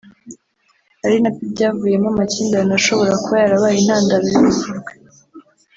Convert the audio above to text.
ari na byo byavuyemo amakimbirane ashobora kuba yarabaye intandaro y’urupfu rwe